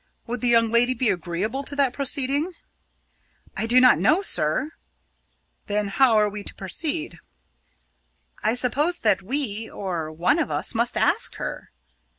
Would the young lady be agreeable to that proceeding?" "I do not know, sir!" "Then how are we to proceed?" "I suppose that we or one of us must ask her."